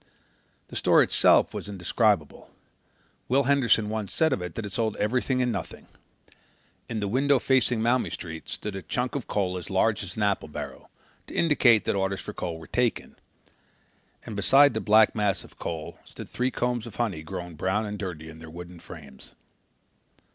The store itself was indescribable. Will Henderson once said of it that it sold everything and nothing. In the window facing Maumee Street stood a chunk of coal as large as an apple barrel, to indicate that orders for coal were taken, and beside the black mass of the coal stood three combs of honey grown brown and dirty in their wooden frames.